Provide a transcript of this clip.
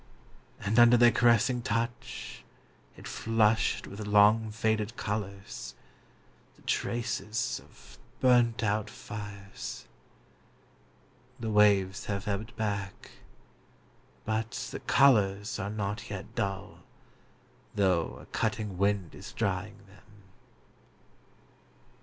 . and under their caressing touch it flushed with long faded colours, the traces of burnt out fires ! The waves have ebbed back ... but the colours are not yet dull, though a cutting wind is drying them.